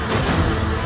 kau akan menderita